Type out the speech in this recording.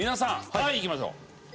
はいいきましょう。